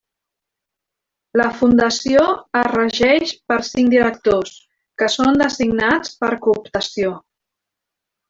La fundació es regeix per cinc directors, que són designats per cooptació.